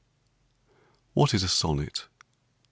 What is a sonnet ?